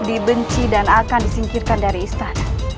dibenci dan akan disingkirkan dari istana